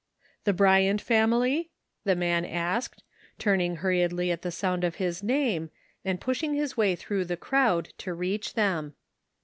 " The Bryant family ?" the man asked, turn ing hurriedly at the sound of his name, and pushing his way through the crowd to reach them.